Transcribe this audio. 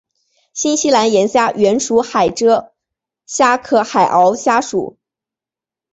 新西兰岩虾原属海螯虾科海螯虾属。